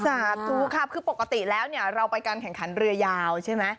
สาธุค่ะคือปกติแล้วเนี่ยเราไปการแข่งขันเรือยาวใช่ไหม